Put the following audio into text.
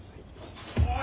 おい！